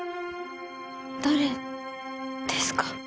誰ですか？